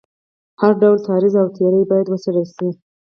هر ډول تعرض او تیری باید وڅېړل شي.